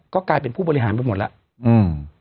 ก็กลายเป็นผู้บริหารไปหมดแล้วอืม